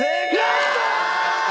やったー！